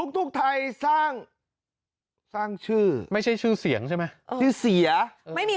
ทุกไทยสร้างชื่อไม่ใช่ชื่อเสียงใช่ไหมชื่อเสียไม่มี